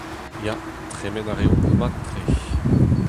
Ya, tremen a reont mat-tre !